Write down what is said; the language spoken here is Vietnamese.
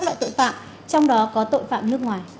với các loại tội phạm